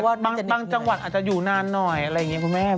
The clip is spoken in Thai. บางจังหวัดอาจจะอยู่นานหน่อยอะไรอย่างนี้คุณแม่